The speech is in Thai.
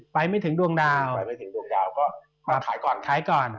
ไปไม่ถึงดวงดาวก็ขายก่อน